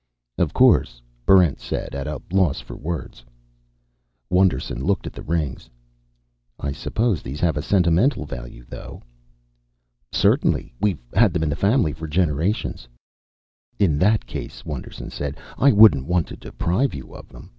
"Of course," Barrent said, at a loss for words. Wonderson looked at the rings. "I suppose these have a sentimental value, though." "Certainly. We've had them in the family for generations." "In that case," Wonderson said, "I wouldn't want to deprive you of them.